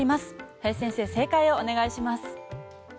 林先生、正解をお願いします。